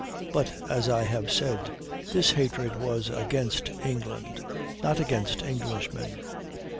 But, as I have said, this hatred was against England, not against Englishmen.